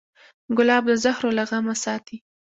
ګلاب د زهرو له غمه ساتي.